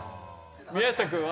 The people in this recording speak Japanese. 宮近君は？